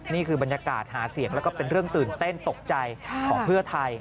นี่คือบรรยากาศหาเสียงแล้วก็เป็นเรื่องตื่นเต้นตกใจของเพื่อไทย